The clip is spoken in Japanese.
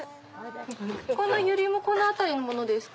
このユリもこの辺りのものですか？